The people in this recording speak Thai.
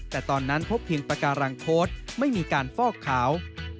แต่ตอนนั้นพบถึงปาการังโพธิ์ไม่มีการฟอกข่าว